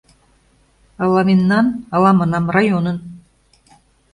Ала мемнан, ала, манам, районын.